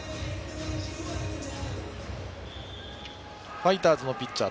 ファイターズのピッチャー